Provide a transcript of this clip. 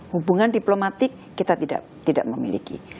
hubungan diplomatik kita tidak memiliki